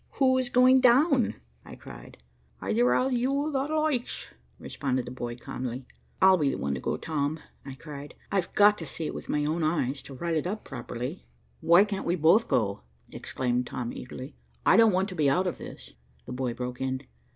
"Who is going down?" I cried. "Ayther of you thot loikes," responded the boy calmly. "I'll be the one to go, Tom," I cried, "I've got to see it with my own eyes to write it up properly." "Why can't we both go?" exclaimed Tom eagerly. "I don't want to be out of this." The boy broke in.